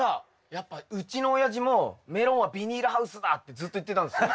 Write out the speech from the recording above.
やっぱうちの親父もメロンはビニールハウスだってずっと言ってたんすよ。